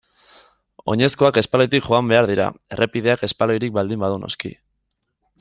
Oinezkoak espaloitik joan behar dira errepideak espaloirik baldin badu noski.